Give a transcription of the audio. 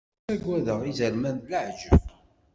Ttagadeɣ izerman d leεǧab.